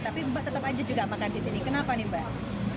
tapi mbak tetap aja juga makan di sini kenapa nih mbak